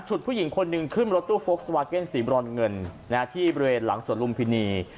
ผู้หญิงคนหนึ่งขึ้นรถตู้โฟกสวาเก็นสีบรอนเงินที่บริเวณหลังสวนลุมพินี